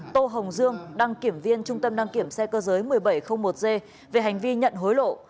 tô hồng dương đăng kiểm viên trung tâm đăng kiểm xe cơ giới một nghìn bảy trăm linh một g về hành vi nhận hối lộ